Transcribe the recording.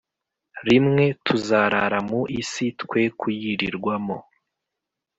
Rimwe tuzarara mu isi twe kuyirirwamo